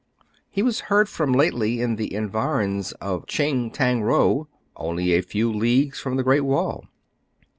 He was heard from lately in the environs of Tsching Tang Ro, only a few leagues from the Great Wall."